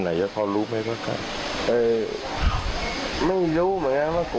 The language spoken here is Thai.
อันนี้ผมก็ไม่ทราบเหมือนกันว่าทะเลาะกันมาก่อน